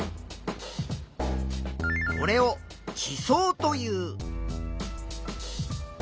これを「地層」という。